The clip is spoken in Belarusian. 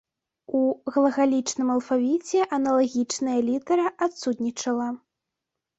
У глагалічным алфавіце аналагічная літара адсутнічала.